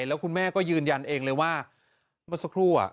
แล้วคุณแม่ก็ยืนยันเองเลยว่าเมื่อสักครู่